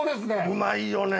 うまいよね。